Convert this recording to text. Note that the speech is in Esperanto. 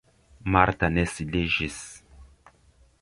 Marta ne sidiĝis.